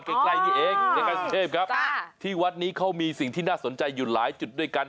ใกล้นี่เองในการสุเทพครับที่วัดนี้เขามีสิ่งที่น่าสนใจอยู่หลายจุดด้วยกัน